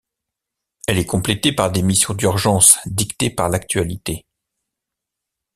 Elle est complétée par des missions d’urgence dictées par l’actualité.